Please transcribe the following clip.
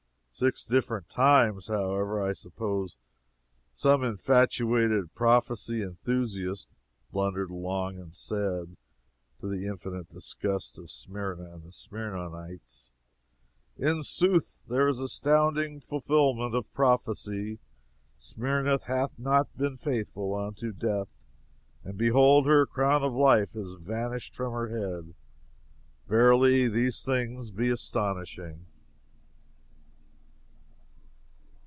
Six different times, however, I suppose some infatuated prophecy enthusiast blundered along and said, to the infinite disgust of Smyrna and the Smyrniotes: "In sooth, here is astounding fulfillment of prophecy! Smyrna hath not been faithful unto death, and behold her crown of life is vanished from her head. Verily, these things be astonishing!"